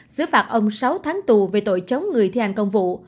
xứ phạt ông sáu tháng tù về tội chống người thi hành công vụ